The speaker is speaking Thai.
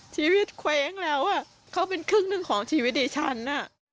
เคว้งแล้วเขาเป็นครึ่งหนึ่งของชีวิตดิฉัน